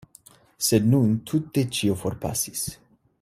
Sed nun tute ĉio forpasis.